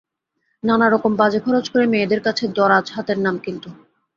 নানা রকম বাজে খরচ করে মেয়েদের কাছে দরাজ হাতের নাম কিনত।